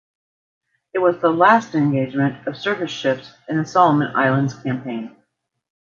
It was the last engagement of surface ships in the Solomon Islands campaign.